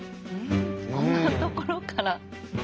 こんなところから。